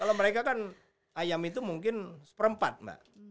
kalau mereka kan ayam itu mungkin seperempat mbak